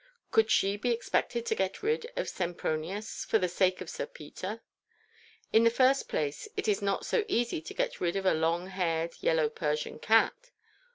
Could she be expected to get rid of Sempronius, for the sake of Sir Peter? In the first place, it is not so easy to get rid of a long haired, yellow Persian cat.